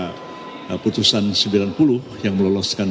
keputusan sembilan puluh yang meloloskan